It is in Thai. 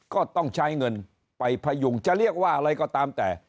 ก็ต้องใช้เงินไปพยุงจะเรียกว่าอะไรก็ตามแต่